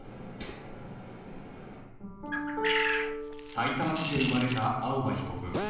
さいたま市で生まれた青葉被告。